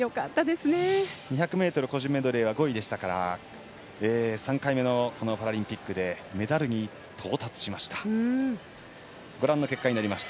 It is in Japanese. ２００ｍ個人メドレーは５位でしたから３回目のパラリンピックでメダルに到達しました。